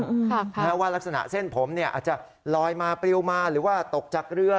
แม้ว่ารักษณะเส้นผมอาจจะลอยมาเปรี้ยวมาหรือว่าตกจากเรือ